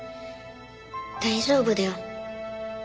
大丈夫だよ。